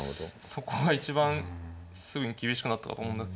そこが一番すぐに厳しくなったかと思うんだけど。